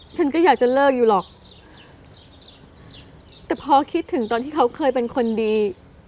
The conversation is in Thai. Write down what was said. ฉันก็อยากจะเลิกอยู่หรอกแต่พอคิดถึงตอนที่เขาเคยเป็นคนดี